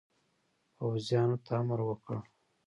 پوځیانو ته امر وکړ.